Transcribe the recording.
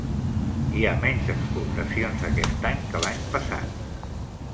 Hi ha menys exportacions aquest any que l'any passat